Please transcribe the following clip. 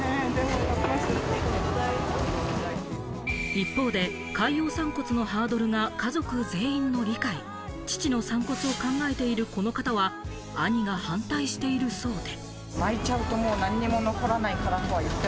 一方で海洋散骨のハードルが家族全員の理解、父の散骨を考えているこの方は兄が反対しているそうで。